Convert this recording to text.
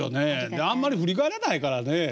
であんまり振り返らないからね。